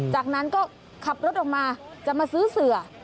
จากนั้นก็ขับรถออกมาจะมาซื้อเสือ